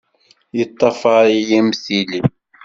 Yeṭṭafar-iyi am tili.